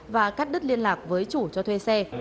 và cắt đứt liên lạc với chủ cho thuê xe